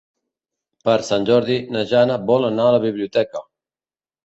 Per Sant Jordi na Jana vol anar a la biblioteca.